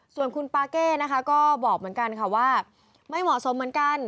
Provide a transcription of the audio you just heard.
ส่วนคุณปาเก้นะคะก็บอกเหมือนกันค่ะว่าไม่เหมาะสมเหมือนกัน